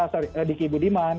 sorry diki budiman